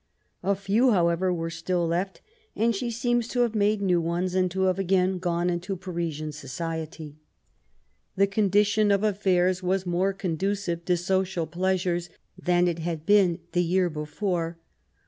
A few, however, were still left, and she seems to have made new ones and to have again gone into Parisian society. The condition of affairs was more conducive to social pleasures than it had been the year before.